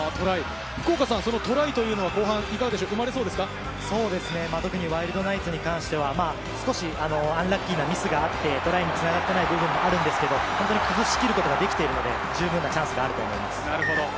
福岡さん、トライ、特にワイルドナイツに関しては、少しアンラッキーなミスがあってトライにつながっていない部分があるんですけど崩し切ることができているので、十分チャンスがあると思います。